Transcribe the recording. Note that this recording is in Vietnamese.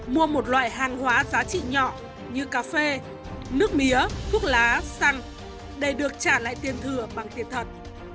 mua một loại hàng hóa giá trị nhỏ như cà phê nước mía thuốc lá xăng để được trả lại tiền thừa bằng tiền thật